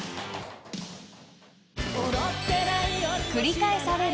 ［繰り返される］